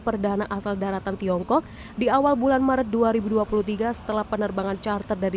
perdana asal daratan tiongkok di awal bulan maret dua ribu dua puluh tiga setelah penerbangan charter dari